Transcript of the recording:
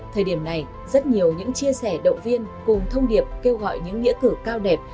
thời điểm này rất nhiều những chia sẻ động viên cùng thông điệp kêu gọi những nghĩa cử cao đẹp